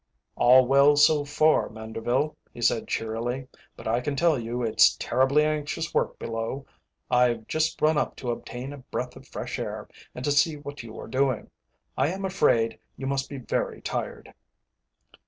"All well so far, Manderville," he said cheerily; "but I can tell you it's terribly anxious work below. I've just run up to obtain a breath of fresh air and to see what you are doing. I am afraid you must be very tired."